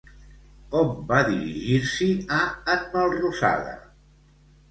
Com va dirigir-s'hi a en Melrosada?